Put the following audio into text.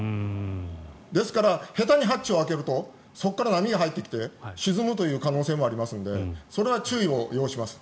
ですから下手にハッチを開けるとそこから波が入ってきて沈むという可能性もありますのでそれは注意を要します。